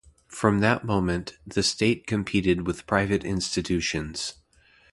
From that moment, the State competed with private institutions.